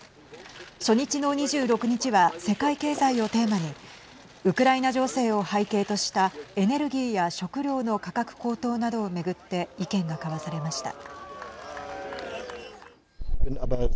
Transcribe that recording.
初日の２６日は世界経済をテーマにウクライナ情勢を背景としたエネルギーや食料の価格高騰などを巡って意見が交わされました。